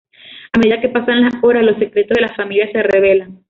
A medida que pasan las horas, los secretos de la familia se revelan.